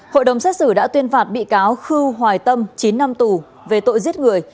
hội đồng xét xử đã tuyên phạt bị cáo khư hoài tâm chín năm tù về tội giết người